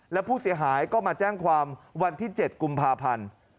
และผู้เสียหายก็มาแจ้งความวันที่๗กุมภาพันธ์